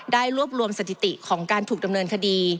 ได้รวบรวมสถิติของการถูกดำเนินคดี